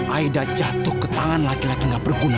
aida jatuh ke tangan laki laki gak berguna